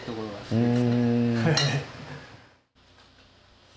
うん。